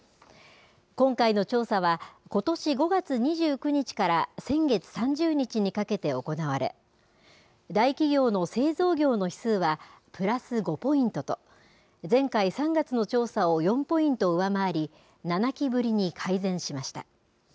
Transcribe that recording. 今回の調査は、ことし５月２９日から先月３０日にかけて行われ、大企業の製造業の指数はプラス５ポイントと、前回・３月の調査を４ポイント上回り、７期ぶりに改善しました。